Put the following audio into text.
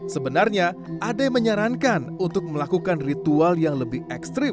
sebenarnya ada yang menyarankan untuk melakukan ritual yang lebih ekstrim